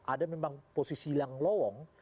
ada memang posisi yang lowong